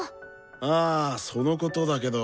あそのことだけど。